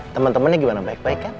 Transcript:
temen temennya gimana baik baik kan